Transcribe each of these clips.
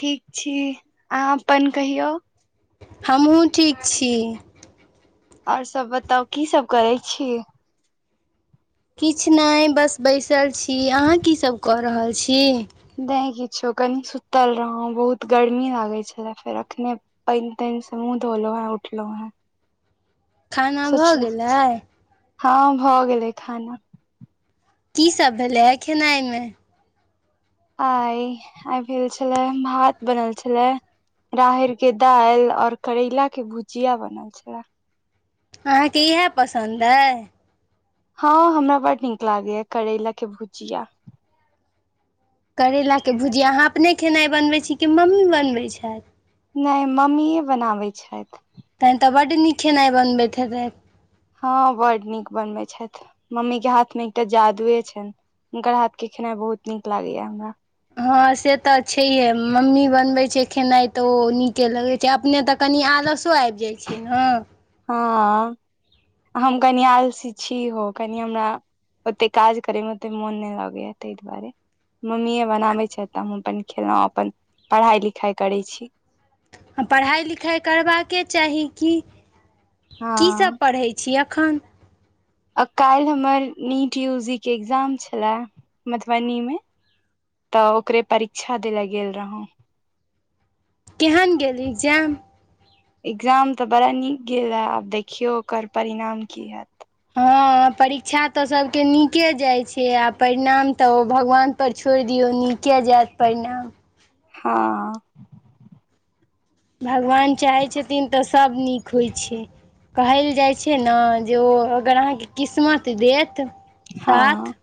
ठीक छी अहाँ अपन कहियौ हमहुँ ठीक छी ओर सब बताउ की सब करै छी किछु नहि बस बैसल छी अहाँ कीसभ कऽ रहल छी ने किछो कनि सुतल रहौ बहुत गर्मी लागैत छलए फेर अखने पानि तानि सँ मुँह धोलो हैं उठलो हैं खाना भऽ गेलै हँ भऽ गेलै खाना की सब भेलैए खेनाइमे आइ आइ भेल छले भात बनल छले राहड़ के दालि और करैला के भुजिया बनल छलै अहाँके इएह पसन्द अइ हँ हमरा बड नीक लागैया करैला के भुजिया करैला के भुजिया अहाँ अपने खेनाइ बनबै छी कि मम्मी बनबै छैथ नहि मम्मीए बनाबै छथि तहन तऽ बड्ड नीक खेनाइ बनबैत हेतै हँ बड नीक बनबैत छथि मम्मी के हाथ मे एकटा जादुए छनि हुनकर हाथ के खेनाइ बहुत नीक लागैया हमरा हँ से तऽ छैहे मम्मी बनबै छै खेनाइ तऽ ओ नीके लगैत के अपने त कनि आलसो आबि जाइत छै न हँ हम कनि आलसी छी हो कनि हमरा ओते काज करेमे ओतेक मोन नहि लगैया ताहि दुआरे मम्मीए बनाबै छै तऽ हम अपन खेलहुॅं अपन पढ़ाई लिखाई करै छी आ पढ़ाई लिखाई करबाक के चाही की की हँ सब पढ़े छी एखन आ काल्हि हमर नीट यूजी के एग्जाम छलए मधुबनी में त ओकरे परीक्षा द ले गेल रहौ केहन गेल एग्जाम एग्जाम त बड़ा नीक गेल हे आब देखियौ ओकर परिणाम की हैत हँ परीक्षा त सभके नीके जाइत छै आ परिणाम त ओ भगवान पर छोड़ि दियौ नीके जायत परिणाम हँ भगवान चाहै छथिन त सभ नीक होइ छै कहल जाइत छै ने जे ओ अगर अहाँके किस्मत देत हँ साथ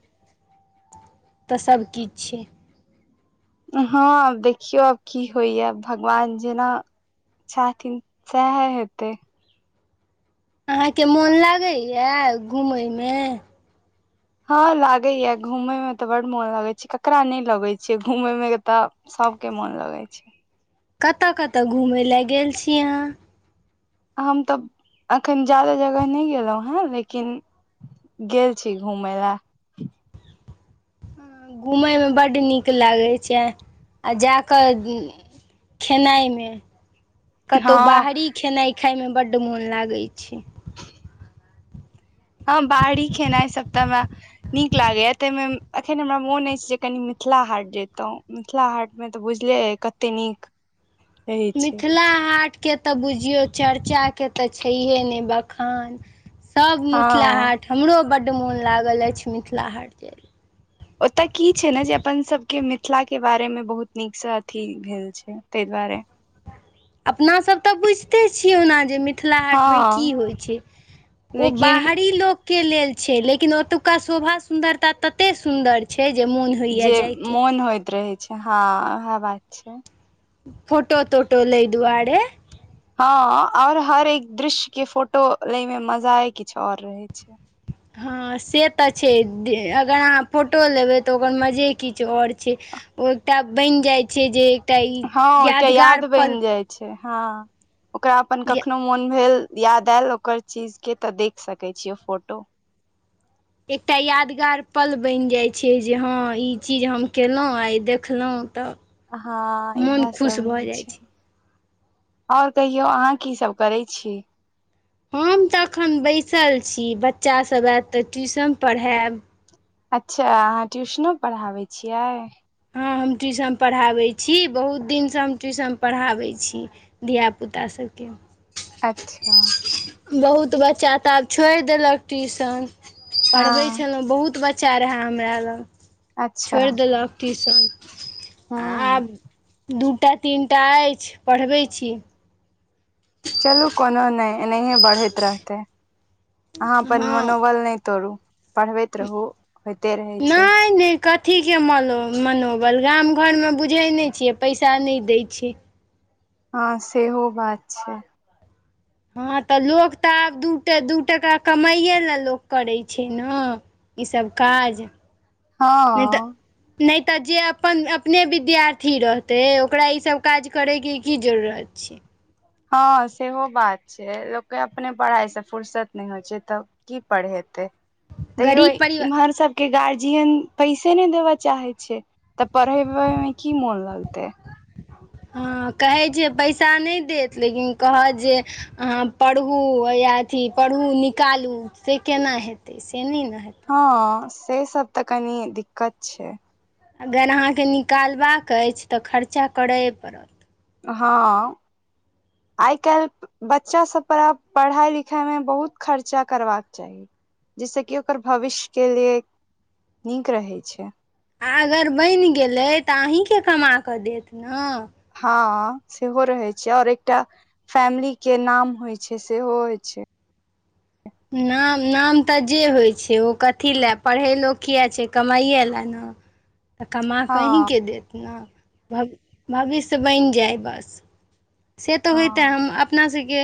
तऽ सबकिछ छै हँ देखियौ आब की होइये भगवान जेना छथिन सेएह हेतै अहाँके मोन लागैया घुमयमें हँ लागैय ये घूमय में त बड मोन लगैत छै ककरा नहि लगैत छै घूमय में त सबके मोन लगै छै कतऽ कतऽ घूमय लेऽ गेल छी अहाँ हम तऽ एखन ज्यादा जगह नहि गेलहुँ हैं लेकिन गेल छी घुमय लए घूमय में बड नीक लागै छै आ जा क खेनाइ मे कतहु हँ बाहरी खेनाइ खााय में बड्ड मोन लागैत छै हँ बाहरी खेनाइ सब त ह नीक लागेया तैमें अखन हमरा मोन अछि जे कनी मिथिला हाट जैतहुं मिथिला हाट मे तऽ बुझले अइ कते नीक रहै छै मिथिला हाटके त बुझियौ चर्चा के त छैहे ने बखान सभ मिथिला हँ हाट हमरो बड् मोन लागल अछि मिथिला हाट जाय लेल ओतय की छै ने जे अपन सब के मिथिला के बारे मे बहुत नीक से अथी भेल छै ताहि दुआरे अपना सब त बुझिते छियै ओना जे मिथ मिथिला हाट मे की हँ होइ छै ओ लेकिन बाहरी लोक के लेल छै लेकिन ओतुका शोभा सुंदरता तते सुन्दर छै जे मून जे मोन होइत रहै छै हँ उएह बात छै फोटो तोटो लै दुआरे हँ और हर एक दृश्य के फोटो लै में मजा ए किछु और रहै छै हँ से तऽ छै अगर अहाँ फोटो लेबै तऽ ओकर मजे किछु और छै ओ एकटा बैन जाइ छै जे ई हँ ओयके यादगार याद पल बनि जाय छै हँ ओकरा अपन कखनो मोन भेल याद आयल ओकर चीज के तऽ देख सकै छियै फोटो एकटा यादगार पल बनि जाइ छै जे हँ ई चीज हम केलहुँ आ ई देखलहुँ तऽ हँ मोन इहे खुश सब भऽ रहै जाइ छै और कहियौ अहाँ की सब करै छी हम तऽ एखन बैसल छी बच्चासब आयत तऽ ट्यूशन पढ़ायब अच्छा अहाँ ट्यूशनो पढ़ाबै छियै हँ हम ट्यूशन पढ़ाबै छी बहुत दिनसँ हम ट्यूशन पढ़ाबै छी धियापुता सभके अच्छा बहुत बच्चा त आब छोयड़ देलक ट्यूशन पढ़बै हँ छलौ बहुत बच्चा बच्चा रहय हमरा लग अच्छा छोयड़ देलक ट्यूशन हूँ आब दूटा तीनटा ऐछ पढ़बै छी चलू कोनो नहि एनहियए बढ़ैत रहतै अहाँ अपन हँ मनोबल नय तोड़ू पढ़बैत रहू होइते रहै छै कथी के मलो मनोबल गाम घर में बुझै नहि छियै पैसा नइ दै छै हँ सेहो बात छै हँ तऽ लोक तऽ आब दू ट दू टका कमाइए ले लोक करै छै न ईसभ काज हाँ नय तऽ जे अपन अपने विद्यार्थी रहतै ओकरा ई सब काज करैके की जरूरत छै हँ सेहो बात छै से लोकके अपने पढ़ाइसँ फुुरसत नहि होइ छै तऽ की पढ़ेतै तैयो गरीब परिवार इम्हर स कि गार्जियन पैसे नहि देब चाहै छै तऽ पढ़ेेबैय मे की मोन लगतै हँ कहै छै पैसा नहि देत लेकिन कहत जे अहाँ पढ़ू या अथी पढ़ू निकालू से केना हेतै से नहि ने हेतै हँ से सब तऽ कनी दिक्कत छै अगर अहाँ केँ निकलबाक अछि तऽ खर्चा करये पड़त हँ आइ काइल बच्चा सब पर आब पढ़ाई लिखाई मे बहुत खर्चा करबाक चाही जैस कि ओकर भविष्य के लेक नीक रहे छै आ अगर बनि गेलै तऽ अहीके कमा क देत न हँ सेहो रहै छै और एकटा फैमिली के नाम होइ छै सेहो होइ छै नाम नाम तऽ जे होइ छै ओ कथी लए पढ़ै लोक किया छै कमाइए लए ना ह तऽ कमा हँ कऽ अहीके देत ने भ भविष्य बनि जाय बस से तऽ होइते हँ हम अपना सके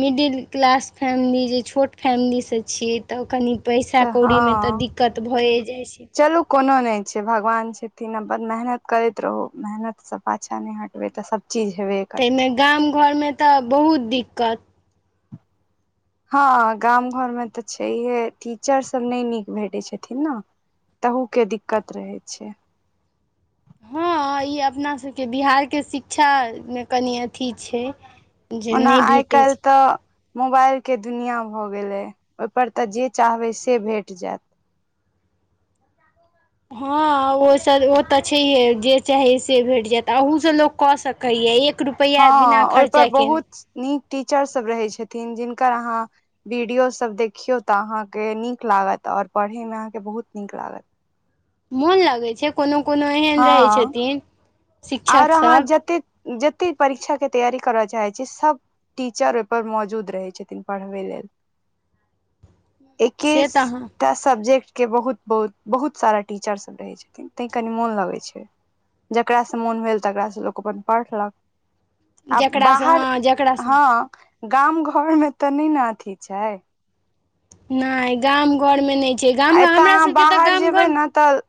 मिडिल क्लास फैमिली जे छोट फैमिली सँ छियै तऽ कनि पैसा तऽ कौड़ी मे तऽ हँ दिक्कत भऽए जाइ छै चलू कोनो नहि छै भगवान छथिन आ मेहनत करैत रहू मेहनतसँ पाछाँ नहि हटबै तऽ सभ चीज हवे तएमे गाम घरमे तऽ बहुत दिक्कत हँ गाम घरमे तऽ छैहे टीचरसभ नय नीक भेटै छथिन न तहू के दिक्कत रहै छै हँ ई अपनासभके बिहारके शिक्षाके कनि अथी छै जे ओना नहि आइ भेटै काल्हि छै तऽ मोबाइल के दुनिआँ भऽ गेलै ओयपर तऽ जे चाहबै से भेट जएत हँ ओसँ ओ तऽ छैहे जे चाही से भेट जैत अहूसँ लोक कऽ सकैए एक रुपैआ बिना हँ ओहिपर खर्चा केने बहुत नीक टीचर सब रहै छथिन जिनकर अहाँ वीडियोसभ देखियौ तऽ अहाँके नीक लागत ओर पढ़यमे अहाँके बहुत नीक लागत मोन लगै छै कोनो कोनो एहन रहै छथीन आओर अहाँ जतेक जतेक परीक्षाके तैयारी करय चाहैत छी सभ टीचर ओईपर मौजूद रहै छथिन पढ़बै लेल से एकीस हँ तऽ सब्जेक्ट के बहुत बहुत बहुत सारा टीचर सब रहै छथिन तै कनि मोन लगै छै जकरासँ मोन भेल तकरासँ लोक अपन पढ़लक आब जकरासँ बाहर हँ जकरासँ हँ गाम घर मे तऽ नय ने अथी छै नइ गाम घर मे नइ छै आ गाम एत्त हमरा अहाँ सबके तऽ बाहर गाम जेबै न तऽ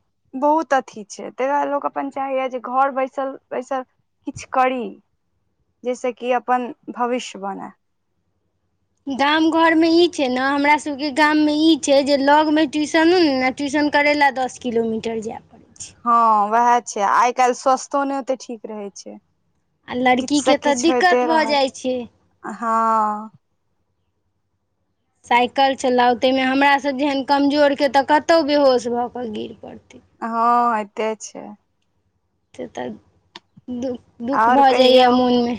बहुत अथि छै ताई दुआरे लोक अपन चाहैए जे घर बैसल बैसल किछ करी जैस कि अपन भविष्य बनए गाम घर मे ई छै ने हमरा सबके गाम मे ई छै जे लग मे ट्यूशनो नै ने ट्यूशन करै लए दस किलोमीटर जायब हँ उएह छै आइ काल्हि स्वस्तो नै ओते ठीक रहै छै आ लड़की किछुसँ के तऽ दिक्कत भऽ जाइ छै हाँ सायकल चलाउ तैमे हमरासभ जेहन कमजोर के तऽ कतहु बेहोश भऽ कऽ गिर पड़तै हाँ एते छै से तऽ दु दुख आओर भऽ जाइए कहियौ मोन मे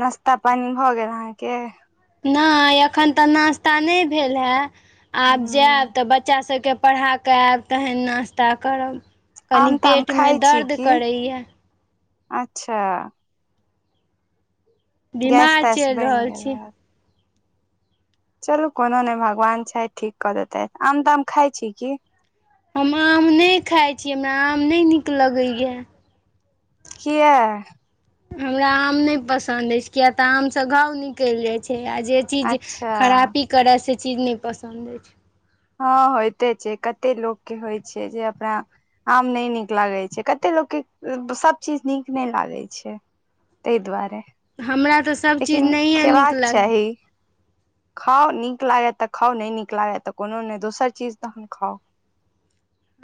नाश्ता पानी भऽ गेल अहाँके नय एखन तऽ नाश्ता नय भेल है आब जैब ह तऽ बच्चा सभके पढ़ाकऽ आएब तहन नास्ता करब कनी आम ताम पेट में खाइ छी दर्द की करैए अच्छा गैस बीमार तैस चैल बनि रहल गेल छी हैत चलू कोनो नय भगवान छै ठीक कऽ देतै आम ताम खााय छी की हम आम नय खाइ छी हमरा आम नय नीक लगैय किया हमरा आम नय पसन्द ऐछ किय तऽ आमसँ घाव निकैल जाइ छै आ जे चीज अच्छा खरापी करै से चीज नहि पसन्द अछि हँ होइते छै कते लोक के होइ छै जे अपना आम नइ नीक लागे छै कते लोक के सब चीज नीक नइ लागे छै तैय दुआरे हमरा तऽ सभ चीज लेकिन नहिए खेबाक निकलग चाही खाउ नीक लागत तऽ खाउ नहि नीक लागत तऽ कोनो नहि दोसर चीज तहन खाउ [inaudible]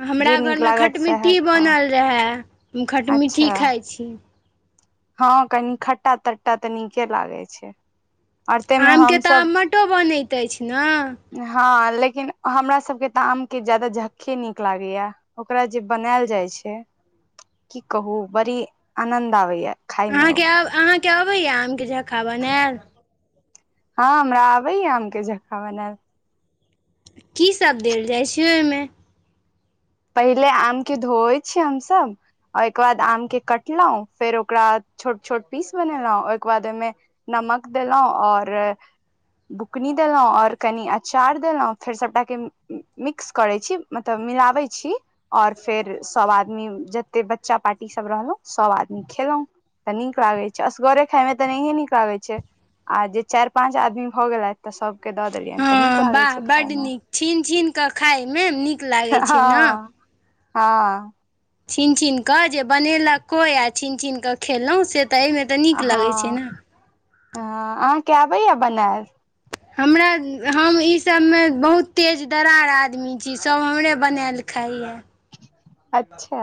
हमरा जे घर नीक में लागत सएह खटमिट्ठी खाउ बनल रहे हम खटमिट्ठी अच्छा खाइ छी हँ कनी खट्टा तट्टा तऽ नीके लागै छै आओर ताहिमे आमके तऽ आमटो बनैत अछि ने हाँ लेकिन हमरा सबके तऽ आम के ज्यादा झक्खे नीक लागेया ओकरा जे बनैल जाइ छै की कहू बड़ी आनन्द आबैए अहाँके अहाँके अबैया आमके झक्खा बनायल हँ हमरा आबेया आम के झक्खा बनाएल की सब देल जाइ छै ओहिमे पहिले आम के धोै छियै हमसभ ओहिके बाद आम के कटलौ फेर ओकरा छोट छोट पीस बनेलौ ओहिके बाद ओहिमे नमक देलहुॅँ आओर बुकनी देलहुँ ओर कनि अँचार देलहुँ फेर सभटाके मिक्स करै छी मतलब मिलाबै छी ओर फेर सब आदमी जते बच्चा पाटी सब रहलहुँ सब आदमी खेलहुॅं तऽ नीक लागैत छै असगरे खायमे तऽ नहिए नीक लागैत छै आ जे चारि पाँच आदमी भऽ गेलथि तऽ सबके दऽ देलियनि तऽ नीक लागैत छै खाय मे छिन छिन कऽ खाय मे नीक लागै छै ने हँ हँ छीन छीन कऽ जे बनेलक कोइ आ छीन छीनक कऽ खेलहुँ से तऽ एहिमे तऽ नीक हँ लगै छै ने हँ अहाँके आबैया बनैल हमरा हम ईसभमे बहुत तेज तरार आदमी छी सभ हमरे बनायल खाइय अच्छा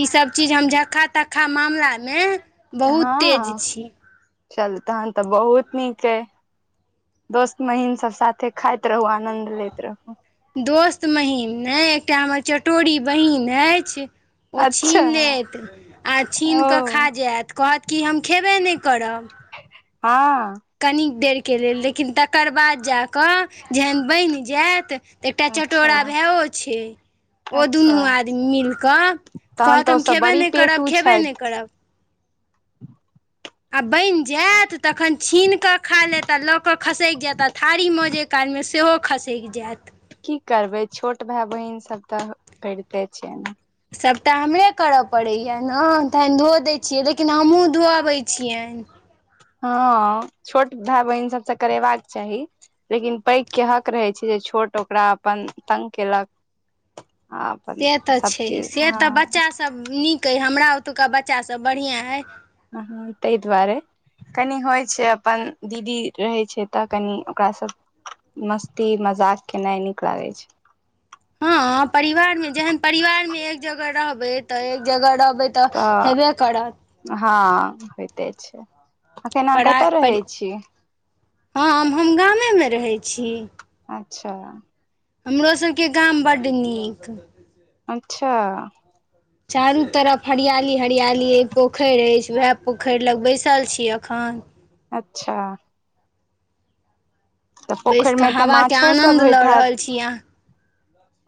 ई सभ चीज हम झक्खा तक्खा मामलामे। बहुत तेज हाँ छी चल तहन तऽ बहुत नीक अइ दोस्त महीन सब साथे खाइत रहू आनन्द लैत रहू दोस्त महिम म, एकटा हमर चटोड़ी बहिन अछि। ओ अच्छा छीन लेत आ छीन कऽ ओ खा जाएत, कहत की हम खेबे नहि करब। हँ कनि देरके लेल लेकिन तकर बाद जा कऽ जहन बनि जायत तऽ एकटा अच्छा चटोरा भैओ छै ओ अच्छा दुनू आदमी मिलि कऽ तहन कहत, तऽ हम ओसभ खेबे बड़ी नहि करब, पेटू खेबे नहि छथि करब। आ बनि जायत तखन छीन कऽ खा लेत आ लऽ कऽ खसैक जैत आ थारी म जे ओइ कालमे सेहो खसकि जैत की करबै छोट भाय बहिन सब तऽ करिते छै ने सभटा हमरे करय पड़ैए ने तखन धोअ दैत छियै लेकिन हमहूँ धोअबैत छियनि हँ छोट भाय बहिन सबसँ करेबाक चाही लेकिन पैघ के हक रहै छै जे छोट ओकरा अपन तंग केलक आ अपन सब चीज़ हां सभ नीक अइ हमरा ओतुका बच्चाभ बढ़िआँ अइ अ ह तहि द्वारे कनि होइ छै अपन दीदी रहै छै तऽ कनि ओकरा सभ मस्ती मजाक केनाइ नीक लागै छै हँ परिवारमे जेहन परिवारमे एक जगह रहबै तऽ एक जगह रहबै तऽ हेबे करत हँ होयते छै अखन अहाँ परा कतय परि रहै छी हँ हम गामेमे रहैत छी अच्छा हमरोसभके गाम बड्ड नीक अच्छा चारू तरफ हरियाली हरियाली अछि पोखरि अछि उएह पोखरि लग बैसल छी एखन अच्छा तऽ बैसि पोखरिमे कऽ तऽ हवाके माछो सब आनन्द होइत लऽ हैत रहल छी अहाँ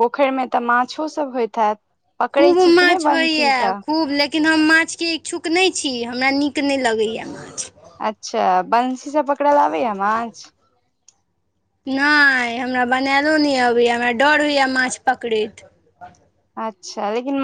पोखरिमे तऽ माछोसभ होइत हैत पकड़ै खूब छी कि नहि माछ होइ या बंशीसँ खूब ले लेकिन हम माछके इच्छुक नय छी हमरा नीक नय लगैए माछ अच्छा बंसी से पकड़ ल आबैया माछ नहि हमरा बनायलो नहि अबैया हमरा डर होइया माछ पकड़ैत अच्छा लेकिन